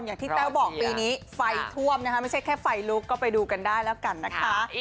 แต้วบอกปีนี้ไฟท่วมนะคะไม่ใช่แค่ไฟลุกก็ไปดูกันได้แล้วกันนะคะ